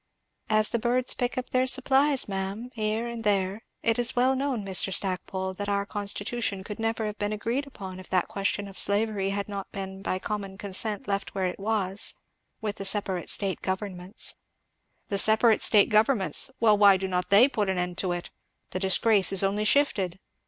"As the birds pick up their supplies, ma'am here and there. It is well known, Mr. Stackpole, that our constitution never could have been agreed upon if that question of slavery had not been by common consent left where it was with the separate state governments." "The separate state governments well, why do not they put an end to it? The disgrace is only shifted."